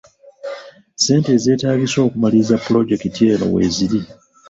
Ssente ezeeetaagisa okumaliriza pulojekiti eno weeziri.